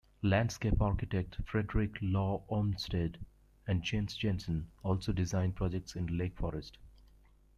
Landscape architects Frederick Law Olmsted and Jens Jensen also designed projects in Lake Forest.